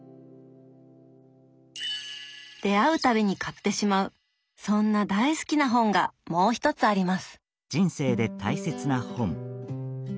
出会う度に買ってしまうそんな大好きな本がもう一つあります。